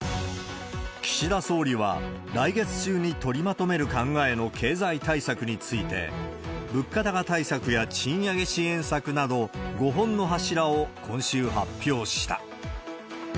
岸田総理は、来月中に取りまとめる考えの経済対策について、物価高対策や賃上げ支援策など、５本の柱を今週発表した。